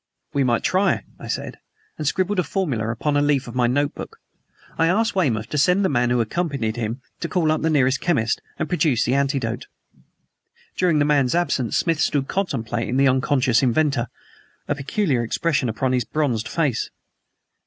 "We might try," I said, and scribbled a formula upon a leaf of my notebook. I asked Weymouth to send the man who accompanied him to call up the nearest chemist and procure the antidote. During the man's absence Smith stood contemplating the unconscious inventor, a peculiar expression upon his bronzed face.